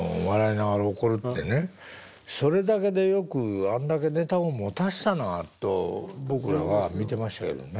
それだけでよくあんだけネタをもたせたなと僕らは見てましたけどね。